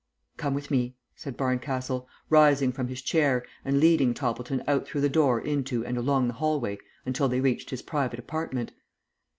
"Come with me," said Barncastle, rising from his chair and leading Toppleton out through the door into and along the hallway until they reached his private apartment.